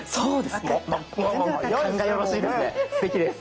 すてきです。